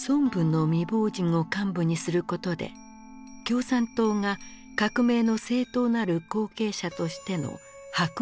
孫文の未亡人を幹部にすることで共産党が革命の正統なる後継者としての箔を付けるためだった。